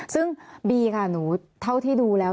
ซึ่งบีค่ะหนูเท่าที่ดูแล้ว